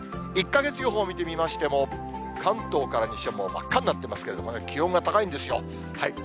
１か月予報見てみましても、関東から西はもう真っ赤になってますけれどもね、気温が高いんですよ。